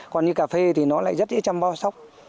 còn như cà phê thì nó lại rất dễ chăm bò sốc